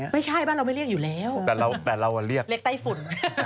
ไม่ใช่บ้านเราไม่เรียกอยู่แล้วแต่เราเรียกเรียกไต้ฝุ่น